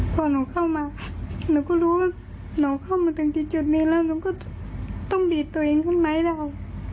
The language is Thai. พอหนูเข้ามาหนูก็รู้ว่าหนูเข้ามาถึงที่จุดนี้แล้วหนูก็ต้องดีดตัวเองขึ้นไหมล่ะ